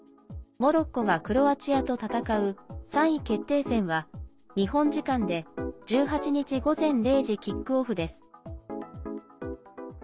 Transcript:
モロッコがクロアチアと戦う３位決定戦は日本時間で１８日午前０時キックオフです。